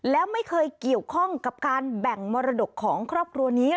แล้วไม่เคยเกี่ยวข้องกับการแบ่งมรดกของครอบครัวนี้